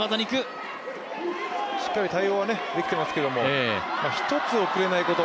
しっかり対応はできていますけども、一つ、遅れないこと。